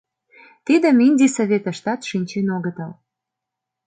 тидым Индий Советыштат шинчен огытыл